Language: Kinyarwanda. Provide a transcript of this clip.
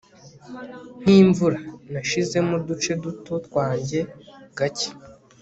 nk'imvura. nashizemo uduce duto twa njye, gake